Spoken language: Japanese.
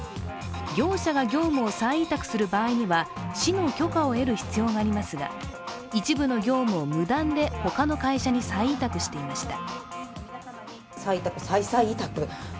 業者が業務を再委託する場合には市の許可を得る必要がありますが、一部の業務を無断で他の会社に再委託していました。